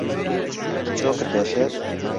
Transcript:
چۆکت دێشێت؟